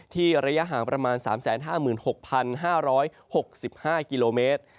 ระยะห่างประมาณ๓๕๖๕๖๕กิโลเมตร